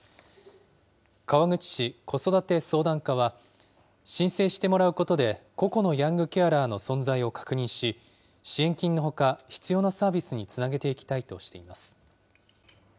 川口市子育て相談課は、申請してもらうことで、個々のヤングケアラーの存在を確認し、支援金のほか必要なサービスにつなげていきたいとしています。